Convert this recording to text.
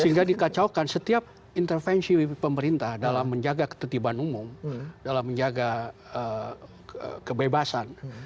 sehingga dikacaukan setiap intervensi pemerintah dalam menjaga ketertiban umum dalam menjaga kebebasan